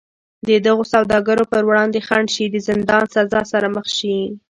د دغو سوداګرو پر وړاندې خنډ شي د زندان سزا سره مخ شي.